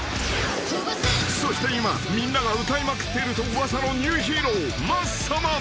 ［そして今みんなが歌いまくっていると噂のニューヒーローマッサマン］